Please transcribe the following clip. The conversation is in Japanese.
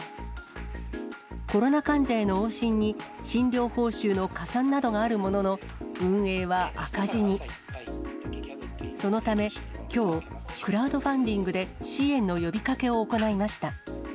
コロナ患者への往診に診療報酬の加算などがあるものの、運営は赤クラウドファンディングで支援の呼びかけを行いました。